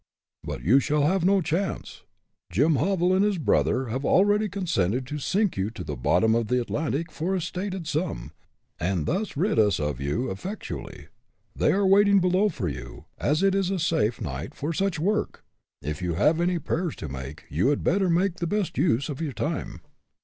"But you shall have no chance. Jim Hovel and his brother have already consented to sink you to the bottom of the Atlantic for a stated sum, and thus rid us of you effectually. They are waiting below for you, as it is a safe night for such work. If you have any prayers to make, you had better make the best use of your time."